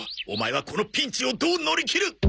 オマエはこのピンチをどう乗り切る？